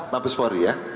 mabes fori ya